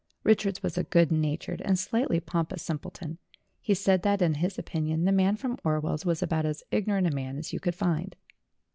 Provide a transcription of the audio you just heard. Richards was a good natured and slightly pompous simpleton. He said that, in his opinion, the man from Orwell's was about as ignorant a man as you could find.